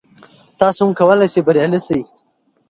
تاسو هم کولای شئ بریالي شئ.